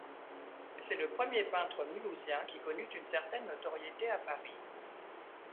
C'est le premier peintre mulhousien qui connut une certaine notoriété à Paris.